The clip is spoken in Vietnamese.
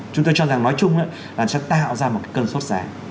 chúng tôi cho rằng nói chung là sẽ tạo ra một cơn sốt giá